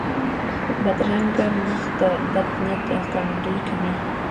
بدرنګه مخ د بد نیت ښکارندویي کوي